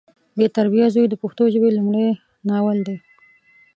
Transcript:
بې تربیه زوی د پښتو ژبې لمړی ناول دی